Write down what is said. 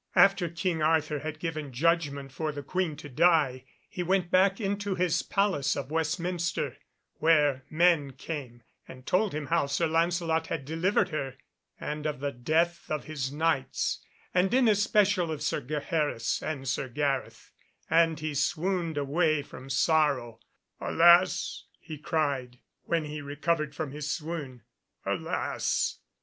After King Arthur had given judgment for the Queen to die, he went back into his Palace of Westminster, where men came and told him how Sir Lancelot had delivered her, and of the death of his Knights, and in especial of Sir Gaheris and Sir Gareth, and he swooned away from sorrow. "Alas!" he cried, when he recovered from his swoon, "alas!